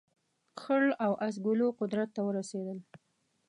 خړ او اس ګلو قدرت ته ورسېدل.